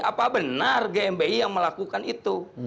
apa benar gmbi yang melakukan itu